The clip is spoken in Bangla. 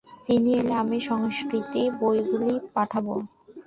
তিনি এলে আমি সংস্কৃত বইগুলি পাঠাব।